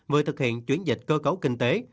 vừa thực hiện chuyển dịch cơ cấu kinh tế